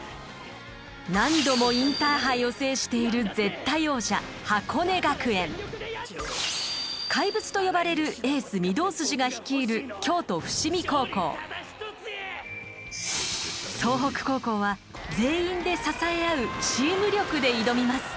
何度もインターハイを制している怪物と呼ばれるエース御堂筋が率いる総北高校は全員で支えあう「チーム力」で挑みます。